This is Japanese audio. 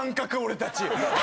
俺たち。